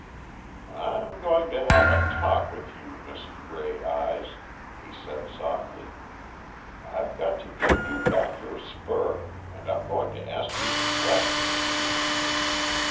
"I'm going to have a talk with you, Miss Grey Eyes," he said softly. "I've got to give you back your spur, and I'm going to ask you some questions."